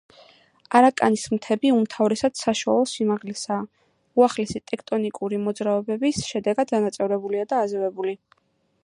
არაკანის მთები უმთავრესად საშუალო სიმაღლისაა, უახლესი ტექტონიკური მოძრაობების შედეგად დანაწევრებულია და აზევებული.